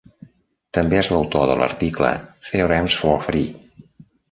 També és l'autor de l'article "Theorems for free!".